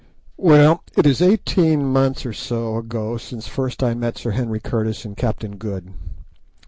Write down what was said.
Well, it is eighteen months or so ago since first I met Sir Henry Curtis and Captain Good.